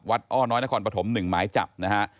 อ้อน้อยนครปฐม๑หมายจับนะฮะ